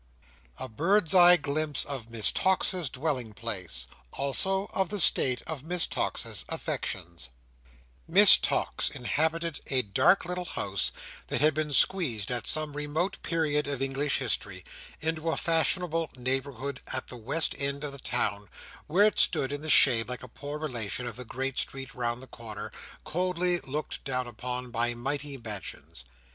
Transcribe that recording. A Bird's eye Glimpse of Miss Tox's Dwelling place: also of the State of Miss Tox's Affections Miss Tox inhabited a dark little house that had been squeezed, at some remote period of English History, into a fashionable neighbourhood at the west end of the town, where it stood in the shade like a poor relation of the great street round the corner, coldly looked down upon by mighty mansions.